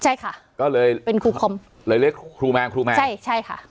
ใช่ค่ะก็เลยเป็นครูคมเลยเรียกครูแมนครูแมนใช่ใช่ค่ะ